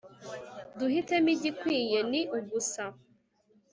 duhitemo igikwiye, ni ugusa